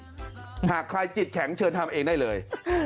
หากใครจิตแข็งเชิญทำเองได้เลย